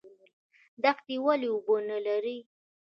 دښتې ولې اوبه نلري؟